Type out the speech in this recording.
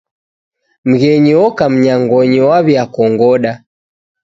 Mghenyi oka mnyangonyi, waw'iakongoda